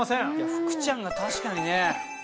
福ちゃんが確かにね。